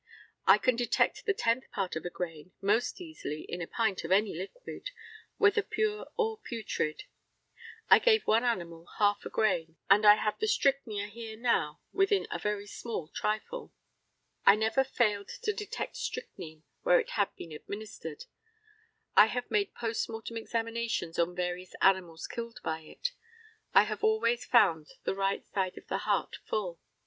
I can detect the tenth part of a grain, most easily in a pint of any liquid, whether pure or putrid. I gave one animal half a grain, and I have the strychnia here now within a very small trifle. I never failed to detect strychnine where it had been administered. I have made post mortem examinations on various animals killed by it. I have always found the right side of the heart full.